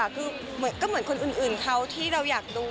ก็เหมือนคนอื่นเขาที่เราอยากดู